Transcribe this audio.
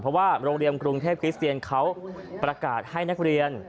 เพราะว่าโรงเรียนกรุงเทพคริสเตียนเขาประกาศให้นักเรียน